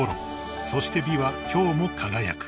［そして美は今日も輝く］